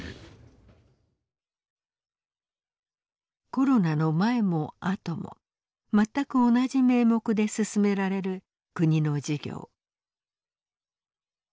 コロナの前も後も全く同じ名目で進められる国の事業。